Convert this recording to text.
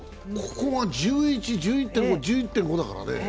ここが１１、１１．５、１１．５だからね。